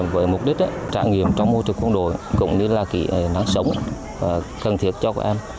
với mục đích trải nghiệm trong môi trường quân đội cũng như là kỹ năng sống cần thiết cho các em